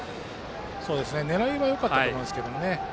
狙いはよかったと思うんですけどね。